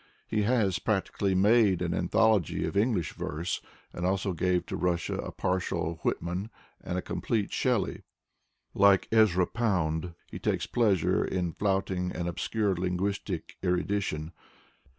He has practically made an anthology of Eng lish verse, and also gave to Russia a partial Whitman and a complete Shelley, Lite Ezra Pound, he takes pleasure ia flaunting an obscure linguistic erudition.